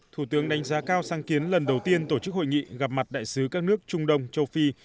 thủ tướng đánh giá cao sang kiến lần đầu tiên tổ chức hội nghị gặp mặt đại sứ các nước trung đông châu phi